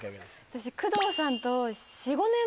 私工藤さんと。